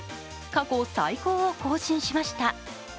過去最高を更新しました。